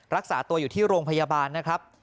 รักษาตัวอยู่ที่โรงพยาบาลนะครับ